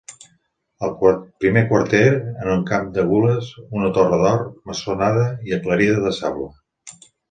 Al primer quarter, en camp de gules, una torre d'or, maçonada i aclarida de sable.